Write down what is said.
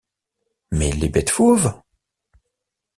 Mais les bêtes fauves?